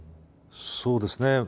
そうですね